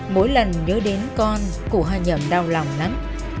mỗi lần nhớ đến con cụ hoa nhậm đau lòng lắm